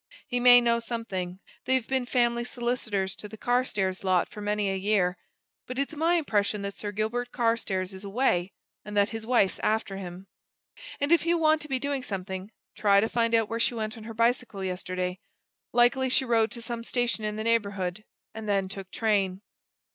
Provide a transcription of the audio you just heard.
He may know something they've been family solicitors to the Carstairs lot for many a year. But it's my impression that Sir Gilbert Carstairs is away! and that his wife's after him. And if you want to be doing something, try to find out where she went on her bicycle yesterday likely, she rode to some station in the neighbourhood, and then took train."